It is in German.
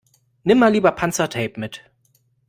Nimm mal lieber Panzertape mit.